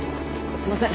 すいません